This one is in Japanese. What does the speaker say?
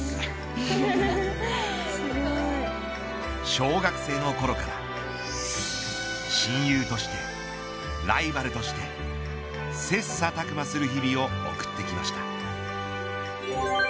小学生のころから親友として、ライバルとして切磋琢磨する日々を送ってきました。